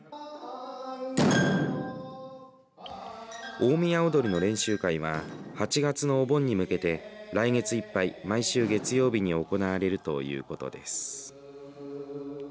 大宮踊の練習会は８月のお盆に向けて来月いっぱい毎週月曜日に行われるということです。